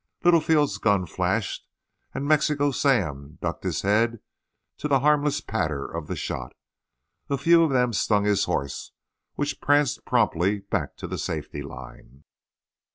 Littlefield's gun flashed, and Mexico Sam ducked his head to the harmless patter of the shot. A few of them stung his horse, which pranced promptly back to the safety line.